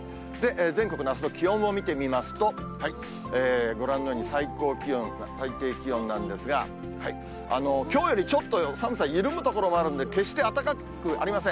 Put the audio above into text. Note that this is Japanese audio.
全国のあすの気温を見てみますと、ご覧のように最高気温、最低気温なんですが、きょうよりちょっと寒さ緩む所もあるんで、決して暖かくありません。